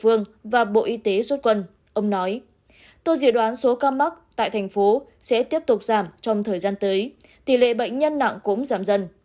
tôi dự đoán số ca mắc tại thành phố sẽ tiếp tục giảm trong thời gian tới tỷ lệ bệnh nhân nặng cũng giảm dần